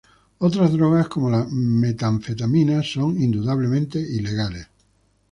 Otras drogas como la metanfetamina son indudablemente ilegales.